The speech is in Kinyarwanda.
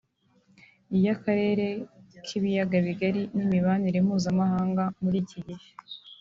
iy’Akarere k’Ibiyagabigari n’imibanire mpuzamahanga muri iki gihe